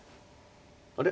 あれ？